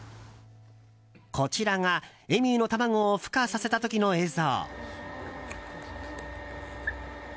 こちらがエミューの卵をふ化させた時の映像。